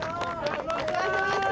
お疲れさまでした！